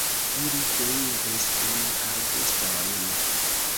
Ili deiris en arbustojn.